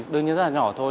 đương nhiên rất là nhỏ thôi